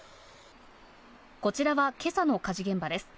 こちらは今朝の火事現場です。